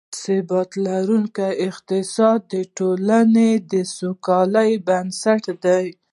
ثبات لرونکی اقتصاد، د ټولنې د سوکالۍ بنسټ دی